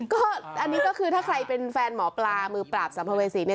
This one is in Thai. ก็อันนี้ก็คือถ้าใครเป็นแฟนหมอปลามือปราบสัมภเวษีเนี่ย